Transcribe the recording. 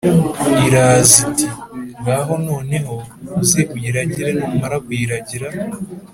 iraaza iti ngaho noneho uze uyiragira, numara kuyiragira,